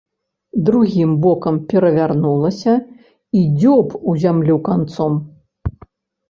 Другім бокам перавярнулася і дзёўб у зямлю канцом.